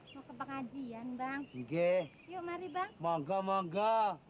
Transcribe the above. mau ke pengajian bang g yo mari bang monggo monggo